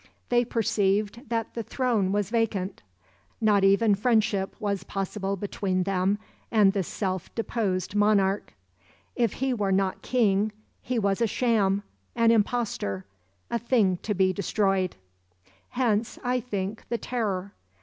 They perceived that the throne was vacant—not even friendship was possible between them and the self deposed monarch. If he were not king he was a sham, an imposter, a thing to be destroyed. Hence, I think, the Terror.